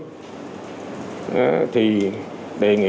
đó thì đề nghị